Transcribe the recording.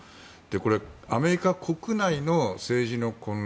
これ、アメリカ国内の政治の混乱